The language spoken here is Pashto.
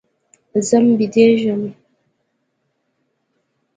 ځم بيدېږم.